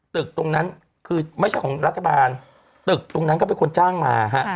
ตึกตรงนั้นคือไม่ใช่ของรัฐบาลตึกตรงนั้นก็เป็นคนจ้างมาฮะ